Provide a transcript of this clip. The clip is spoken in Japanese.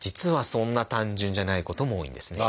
そんな単純じゃないことも多いんですね。